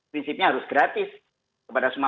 prinsipnya harus gratis kepada semua